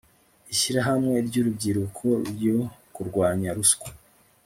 ishyirahamwe ry urubyiruko ryo kurwanya ruswa